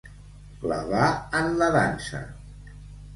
Clavar en la dansa.